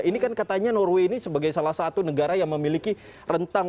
ini kan katanya norway ini sebagai salah satu negara yang memiliki rentang